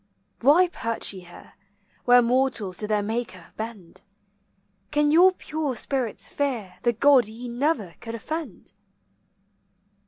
Why perch ye here, Where mortals to their Maker bend? Can your pure spirits fear The God ye never could offend?